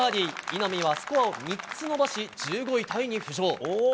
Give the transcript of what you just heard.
稲見はスコアを３つ伸ばし１５位タイに浮上。